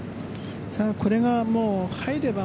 これが入れば。